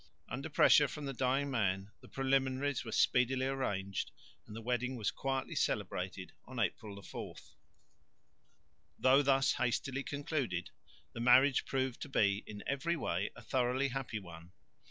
Under pressure from the dying man the preliminaries were speedily arranged, and the wedding was quietly celebrated on April 4. Though thus hastily concluded, the marriage proved to be in every way a thoroughly happy one.